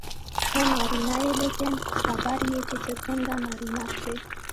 ته نارینه یې لیکن خبر یې چې ته څنګه نارینه شوې.